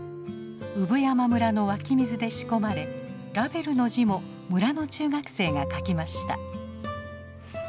産山村の湧き水で仕込まれラベルの字も村の中学生が書きました。